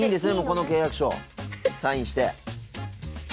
この契約書サインして。